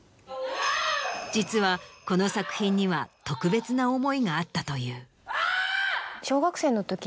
実はこの作品には特別な思いがあったという。